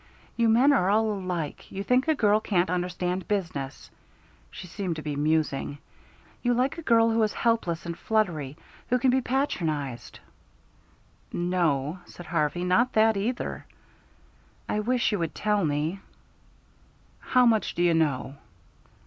"You men are all alike. You think a girl can't understand business." She seemed to be musing. "You like a girl who is helpless and fluttery, who can be patronized." "No," said Harvey, "not that either." "I wish you would tell me." "How much do you know?"